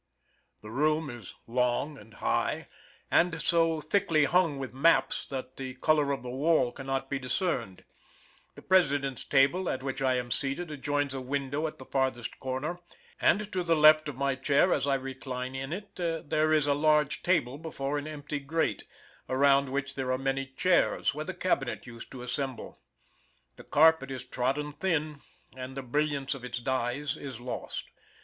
The room is long and high, and so thickly hung with maps that the color of the wall cannot be discerned. The President's table at which I am seated, adjoins a window at the farthest corner; and to the left of my chair as I recline in it, there is a large table before an empty grate, around which there are many chairs, where the cabinet used to assemble. The carpet is trodden thin, and the brilliance of its dyes is lost.